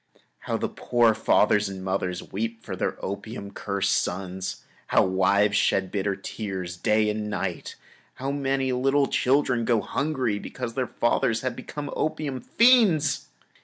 How the poor fathers and mothers weep for their opium cursed sons. How many wives shed bitter tears day and night! How many little children go hungry because their fathers have become opium fiends!